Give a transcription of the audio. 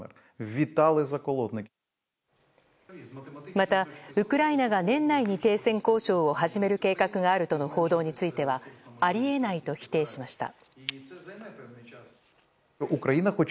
また、ウクライナが年内に停戦交渉を始める計画があるとの報道についてはあり得ないと否定しました。